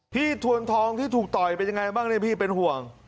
ทวนทองที่ถูกต่อยเป็นยังไงบ้างเนี่ยพี่เป็นห่วง